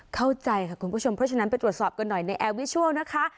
เข้าใจค่ะคุณผู้ชมเพราะฉะนั้นไปตรวจสอบกันหน่อยในแอร์วิชัลนะคะ